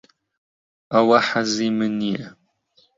ئەوە حەزی من نییە.